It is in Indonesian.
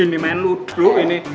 ini main luduk ini